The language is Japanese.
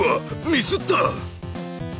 ミスった！